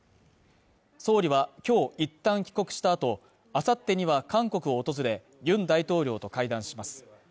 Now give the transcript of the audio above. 総理は、今日一旦帰国した後、あさってには韓国を訪れ、ユン大統領と会談します。